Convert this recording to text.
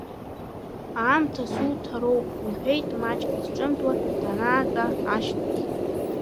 Аамҭа суҭароуп, — лҳәеит, маҷк лызҿымҭуа данаатәа ашьҭахь.